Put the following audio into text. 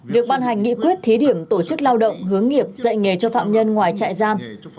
việc ban hành nghị quyết thí điểm tổ chức lao động hướng nghiệp dạy nghề cho phạm nhân ngoài trại giam